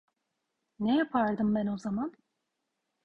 Ne yapardım ben o zaman?